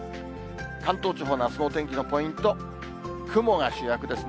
関東地方のあすのお天気のポイント、雲が主役ですね。